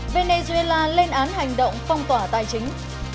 venezuela lên án hành động phong tỏa tài chính